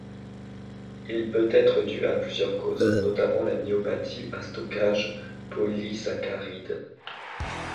Il peut être dû à plusieurs causes, notamment la myopathie à stockage de polysaccharides.